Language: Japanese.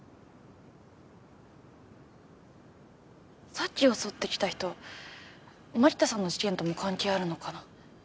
さっき襲ってきた人槙田さんの事件とも関係あるのかな？